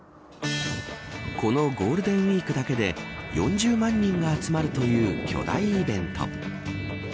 このゴールデンウイークだけで４０万人が集まるという巨大イベント。